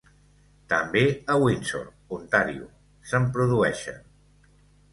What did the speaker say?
També a Windsor, Ontario se'n produeixen.